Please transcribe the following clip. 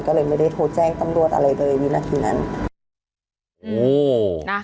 ก็เลยไม่ได้โทรแจ้งตำรวจอะไรเลยวินาทีนั้น